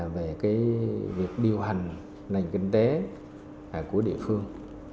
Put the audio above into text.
về việc điều hành nền kinh tế của địa phương